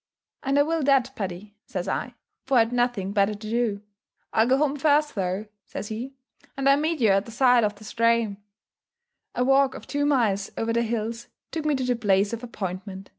"And I will that, Paddy," says I; for I had nothing better to do. "I'll go home first though," says he, "and then meet you at the side of the strame." A walk of two miles over the hills took me to the place of appointment.